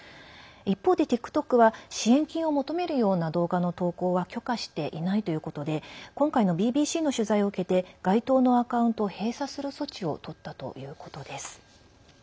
一方でＴｉｋＴｏｋは支援金を求めるような動画の投稿は許可していないということで今回のＢＢＣの取材を受けて該当するアカウントを閉鎖する措置をとったということです。